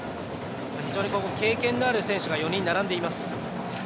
非常に経験のある選手が４人、並んでいます。